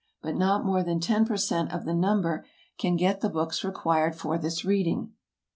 But not more than ten per cent. of the number can get the books required for this reading.